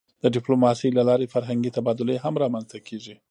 د ډیپلوماسی له لارې فرهنګي تبادلې هم رامنځته کېږي.